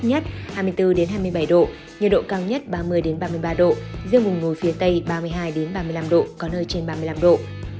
nhiệt độ thấp nhất hai mươi bốn hai mươi bảy độ nhiệt độ cao nhất ba mươi ba mươi ba độ riêng vùng núi phía tây ba mươi hai ba mươi năm độ có nơi trên ba mươi năm độ